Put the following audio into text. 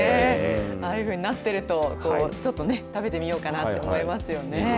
ああいうふうになっているとちょっと食べてみようかなと思いますよね。